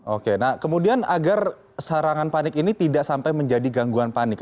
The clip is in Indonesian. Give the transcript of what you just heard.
oke nah kemudian agar serangan panik ini tidak sampai menjadi gangguan panik